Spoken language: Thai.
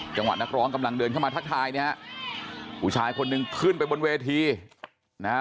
จังหวะนักร้องกำลังเดินเข้ามาทักทายเนี่ยฮะผู้ชายคนหนึ่งขึ้นไปบนเวทีนะฮะ